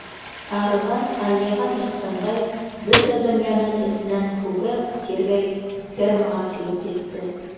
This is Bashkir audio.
Арыған-алйыған Ихсанбай, бөтә донъяны эсенән һүгә- тиргәй фермаға килеп етте.